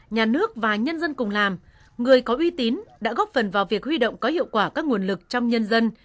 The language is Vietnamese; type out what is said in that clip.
nhà nước và nhân dân cùng làm người có uy tín đã góp phần vào việc huy động có hiệu quả các nguồn lực trong nhân dân